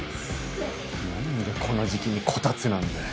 なんでこの時期にこたつなんだよ。